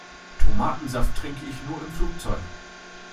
Tomatensaft trinke ich nur im Flugzeug.